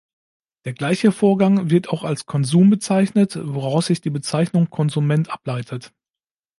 Der gleiche Vorgang wird auch als Konsum bezeichnet, woraus sich die Bezeichnung „Konsument“ ableitet.